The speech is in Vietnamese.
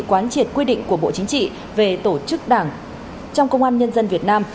quán triệt quy định của bộ chính trị về tổ chức đảng trong công an nhân dân việt nam